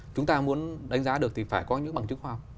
chúng ta muốn đánh giá được thì phải có những bằng chứng khoa học